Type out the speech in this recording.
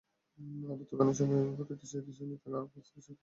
ঋতুকালীন সময়ে প্রতিটি শ্রেণিতে গড়ে পাঁচ থেকে সাতজন ছাত্রী বিদ্যালয়ে আসত না।